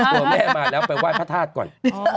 ตัวแม่มาแล้วไปไหว้พระธาตุก่อน